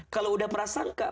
kalau sudah prasangka